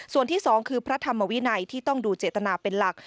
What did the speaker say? ส่วนที่สองคือพระธรรมวินัยที่ต้องดูเจตนาเป็นหลัก